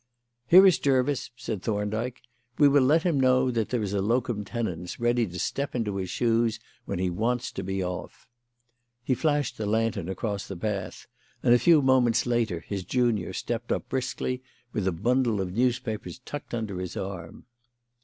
"Here is Jervis," said Thorndyke. "We will let him know that there is a locum tenens ready to step into his shoes when he wants to be off." He flashed the lantern across the path, and a few moments later his junior stepped up briskly with a bundle of newspapers tucked under his arm.